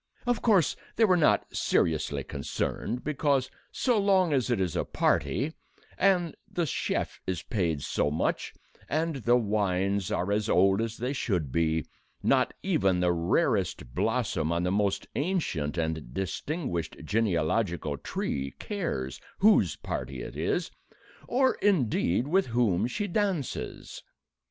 Of course they were not seriously concerned, because, so long as it is a party, and the chef is paid so much, and the wines are as old as they should be, not even the rarest blossom on the most ancient and distinguished genealogical tree cares whose party it is, or, indeed, with whom she dances.